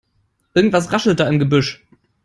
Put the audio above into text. Irgendetwas raschelt da im Gebüsch.